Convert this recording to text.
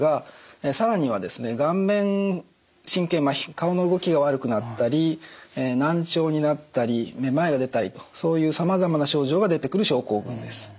顔の動きが悪くなったり難聴になったりめまいが出たりとそういうさまざまな症状が出てくる症候群です。